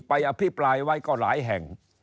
อภิปรายไว้ก็หลายแห่ง